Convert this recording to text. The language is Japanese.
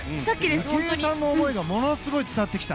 池江さんの思いがすごく伝わってきた。